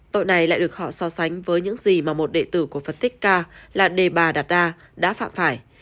tội này lại được họ so sánh với những gì mà một đệ tử của phật tích ca là đề bà đạt đa đã phạm phải